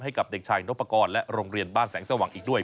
ให้กับเด็กชายนปกรณ์และโรงเรียนบ้านแสงสว่างอีกด้วย